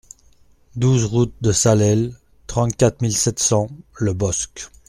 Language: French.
douze route de Salelles, trente-quatre mille sept cents Le Bosc